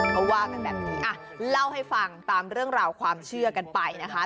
เขาว่ากันแบบนี้เล่าให้ฟังตามเรื่องราวความเชื่อกันไปนะคะ